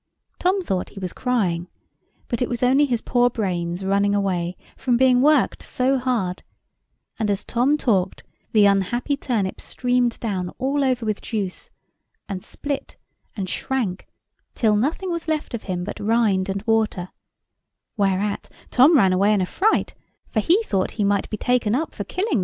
Tom thought he was crying: but it was only his poor brains running away, from being worked so hard; and as Tom talked, the unhappy turnip streamed down all over with juice, and split and shrank till nothing was left of him but rind and water; whereat Tom ran away in a fright, for he thought he might be taken up for killing the turnip.